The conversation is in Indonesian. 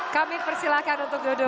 kami persilahkan untuk duduk